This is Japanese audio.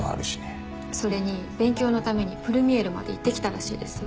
それに勉強のためにプルミエールまで行ってきたらしいですよ。